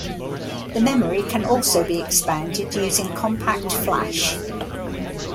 The memory can also be expanded using Compact Flash.